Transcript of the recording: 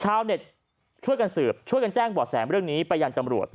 ชาวเน็ตช่วยกันสืบช่วยกันแจ้งบ่อแสเรื่องนี้ไปยังตำรวจ